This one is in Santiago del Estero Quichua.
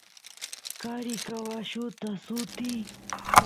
qari caballut asutiy